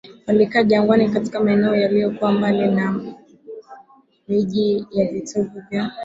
Walikaa jangwani katika maeneo yaliyokuwa mbali na miji na vitovu vya